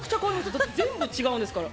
よだって全部違うんですから。